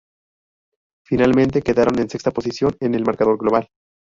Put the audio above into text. Finalmente quedaron en sexta posición en el marcador global.